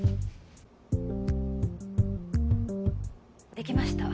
できました。